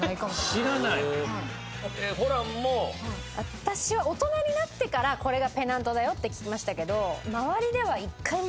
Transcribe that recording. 私は大人になってから「これがペナントだよ」って聞きましたけど周りでは。